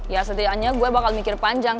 ya setidaknya gue bakal mikir panjang